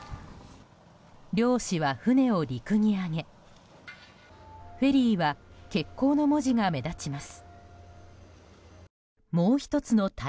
漁師は船を陸に揚げフェリーは欠航の文字が目立ちます。